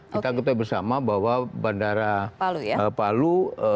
kita ketahui bersama bahwa bandara palu